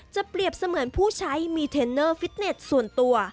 เปรียบเสมือนผู้ใช้มีเทรนเนอร์ฟิตเน็ตส่วนตัว